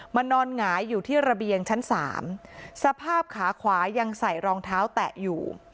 นอนหงายอยู่ที่ระเบียงชั้นสามสภาพขาขวายังใส่รองเท้าแตะอยู่